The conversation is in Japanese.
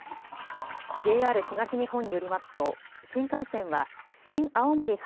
ＪＲ東日本によりますと新幹線は新青森発